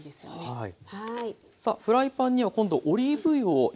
はい。